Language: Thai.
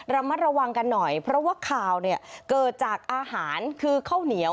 ระมัดระวังกันหน่อยเพราะว่าข่าวเนี่ยเกิดจากอาหารคือข้าวเหนียว